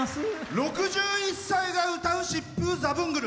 ６１歳が歌う「疾風ザブングル」。